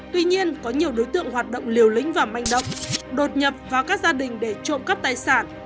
tuy nhiên có nhiều đối tượng hoạt động liều lĩnh và manh động đột nhập vào các gia đình để trộm cắp tài sản